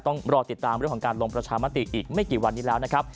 ต้องรอติดตามเรื่องของการลงประชามติอีกไม่กี่วันนี้แล้วนะครับ